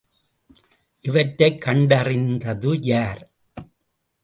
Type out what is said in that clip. இவற்றைக் கண்டறிந்தது யார்?